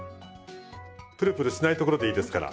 プルプルしないところでいいですから。